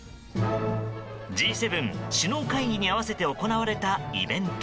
Ｇ７首脳会議に合わせて行われたイベント。